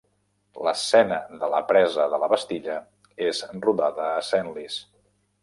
L'escena de la presa de la Bastilla és rodada a Senlis.